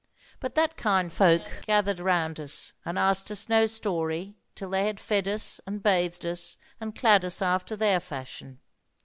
But that kind folk gathered round us, and asked us no story till they had fed us, and bathed us, and clad us after their fashion.